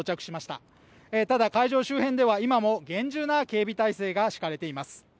ただ、会場周辺では今も厳重な体制がしかれています。